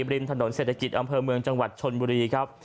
ริมถนนเศรษฐกิจอำเภอเมืองจังหวัดชนบุรีครับ